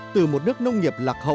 từ một nước nông nghiệp lạc hậu